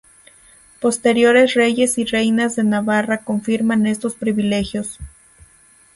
Posteriores reyes y reinas de Navarra confirmaron estos privilegios.